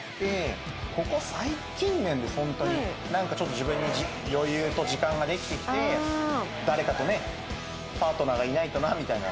なんかちょっと自分に余裕と時間ができてきて誰かとねパートナーがいないとなみたいな。